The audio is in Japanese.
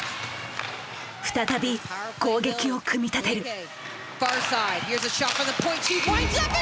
再び攻撃を組み立てる。